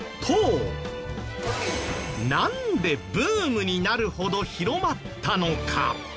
なんでブームになるほど広まったのか？